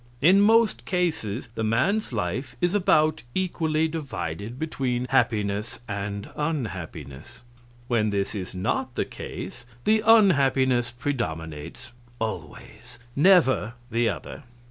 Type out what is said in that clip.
In most cases the man's life is about equally divided between happiness and unhappiness. When this is not the case the unhappiness predominates always; never the other.